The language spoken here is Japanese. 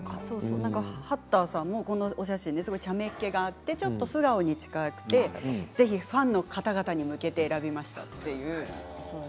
ハッターさんもこのお写真、ちゃめっ気があってちょっと素顔に近くてぜひファンの方々に向けて選びましたという。